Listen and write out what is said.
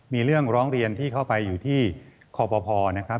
มีเรื่องร้องเรียนที่เข้าไปอยู่ที่คอปภนะครับ